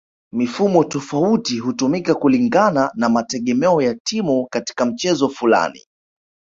Mifumo tofauti hutumika kulingana na mategemeo ya timu katika mchezo fulani